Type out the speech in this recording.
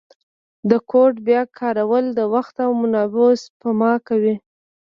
د کوډ بیا کارول د وخت او منابعو سپما کوي.